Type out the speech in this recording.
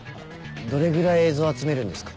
どれぐらい映像集めるんですか？